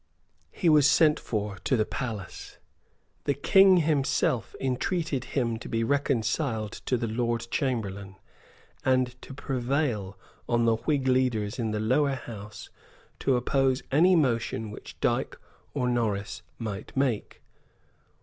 He was sent for to the palace. The King himself intreated him to be reconciled to the Lord Chamberlain, and to prevail on the Whig leaders in the Lower House to oppose any motion which Dyke or Norris might make.